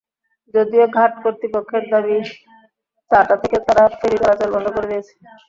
যদিও ঘাট কর্তৃপক্ষের দাবি, চারটা থেকে তারা ফেরি চলাচল বন্ধ করে দিয়েছে।